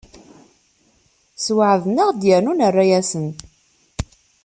Sweɛden-aɣ-d yernu nerra-asen.